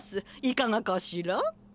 いかがかしら？